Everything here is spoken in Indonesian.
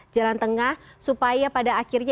jalan tengah supaya pada akhirnya